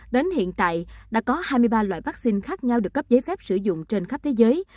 đến hiện tại đã có hai mươi ba loại vaccine khác nhau được cấp giấy phép sử dụng trên khắp thế giới